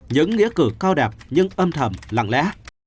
những nghĩa cử cao đẹp nhưng âm thầm lặng lẽ